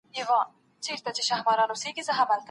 په قرآن کريم کي الله تعالی لومړی د لوڼو يادونه کړې ده.